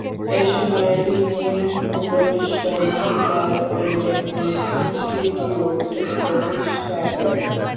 এসময়ে, তিনি ভুবনেশ্বর মহিলা polytechnic institute প্রতিষ্ঠা করেন।